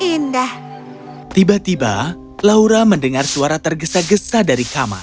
hmm ini sangat indah tiba tiba laura mendengar suara tergesa gesa dari kamar